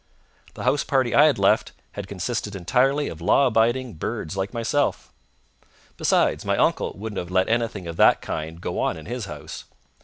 The house party I had left had consisted entirely of law abiding birds like myself. Besides, my uncle wouldn't have let anything of that kind go on in his house.